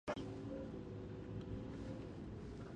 مور د ماشومانو د زده کړې او لوبو توازن ساتي.